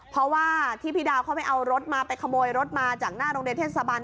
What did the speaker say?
เพราะว่าที่พี่ดาวเขาไปเอารถมาไปขโมยรถมาจากหน้าโรงเรียนเทศบาล